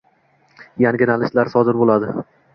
yangilanishlar sodir bo’ladi.